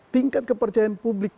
tingkat kepercayaan publik